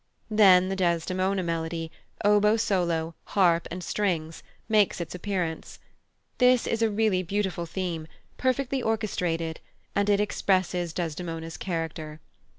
Then the Desdemona melody, oboe solo, harp, and strings, makes its appearance. This is really a beautiful theme, perfectly orchestrated, and it just expresses Desdemona's character.